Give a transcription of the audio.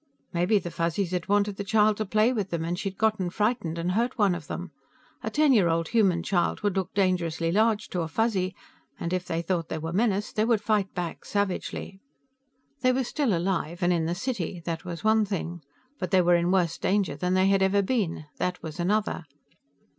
Maybe the Fuzzies had wanted the child to play with them, and she'd gotten frightened and hurt one of them. A ten year old human child would look dangerously large to a Fuzzy, and if they thought they were menaced they would fight back savagely. They were still alive and in the city. That was one thing. But they were in worse danger than they had ever been; that was another.